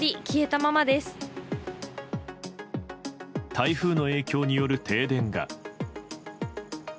台風の影響による停電が。